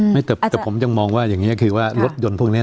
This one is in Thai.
แต่ผมยังมองว่าอย่างนี้ก็คือว่ารถยนต์พวกนี้